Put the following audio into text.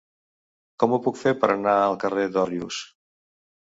Com ho puc fer per anar al carrer d'Òrrius?